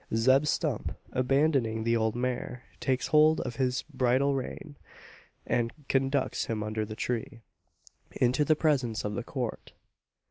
Zeb Stump, abandoning the old mare, takes hold of his bridle rein, and conducts him under the tree into the presence of the Court.